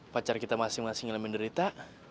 pacar kita masing masing yang menderita